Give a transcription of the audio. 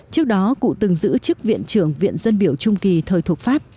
trước đó cụ từng giữ chức viện trưởng viện dân biểu trung kỳ thời thuộc pháp